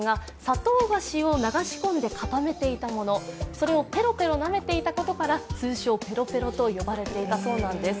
それをペロペロなめていたことから通称ペロペロと呼ばれていたそうなんです。